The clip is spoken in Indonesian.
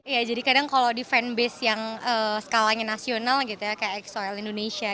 ya jadi kadang kalau di fanbase yang skala yang nasional gitu ya kayak xoil indonesia